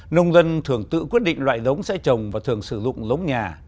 nông dân thường tự quyết định loại giống sẽ trồng và thường sử dụng giống nhà